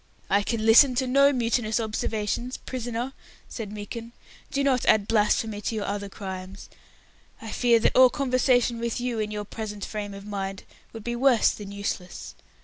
"I can listen to no mutinous observations, prisoner," said Meekin. "Do not add blasphemy to your other crimes. I fear that all conversation with you, in your present frame of mind, would be worse than useless.